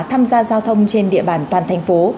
tham gia giao thông trên địa bàn toàn thành phố